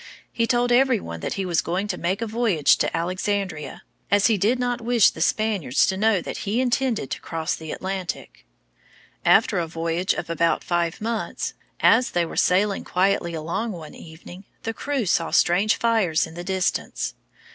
He told every one that he was going to make a voyage to Alexandria, as he did not wish the Spaniards to know that he intended to cross the Atlantic. After a voyage of about five months, as they were sailing quietly along one evening, the crew saw strange fires in the distance.